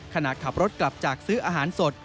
ขณะขับรถกลับจากซื้ออาหารสด